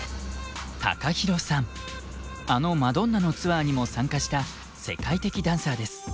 あのマドンナのツアーにも参加した世界的ダンサーです。